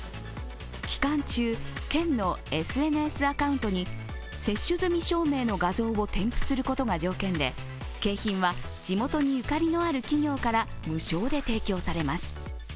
期間中、県のＳＮＳアカウントに接種済み証明の画像を添付することが条件で、景品は地元にゆかりのある企業から無償で提供されます。